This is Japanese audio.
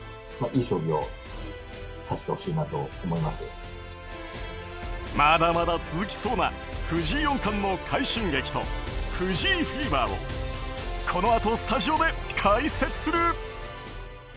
まだまだ続きそうな藤井四冠の快進撃と藤井フィーバーをこのあとスタジオで解説する。